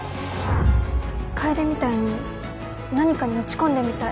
楓みたいに何かに打ち込んでみたい